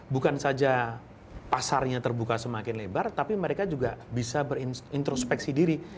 bukan saja pasarnya terbuka semakin lebar tapi mereka juga bisa berintrospeksi diri